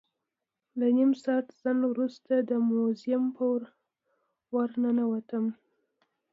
له نیم ساعت ځنډ وروسته د موزیم په ور ننوتم.